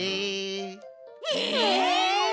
え！？